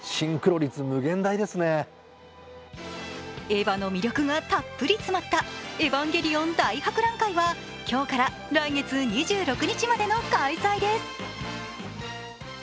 エヴァの魅力がたっぷり詰まった「エヴァンゲリオン大博覧会」は今日から来月２６日までの開催です。